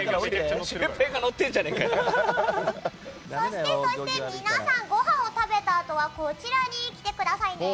そして、そして皆さん、ごはんを食べたあとはこちらに来てくださいね。